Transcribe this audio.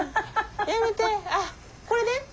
やめてあっこれで。